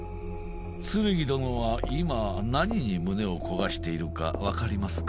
ツルギ殿は今何に胸を焦がしているか分かりますか？